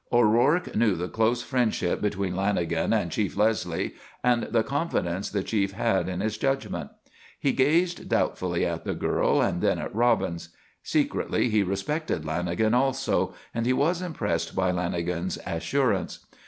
O'Rourke knew the close friendship between Lanagan and Chief Leslie and the confidence the chief had in his judgment. He gazed doubtfully at the girl and then at Robbins. Secretly, he respected Lanagan also and he was impressed by Lanagan's assurance.